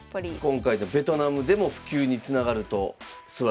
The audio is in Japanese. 今回のベトナムでも普及につながるとすばらしいと思います。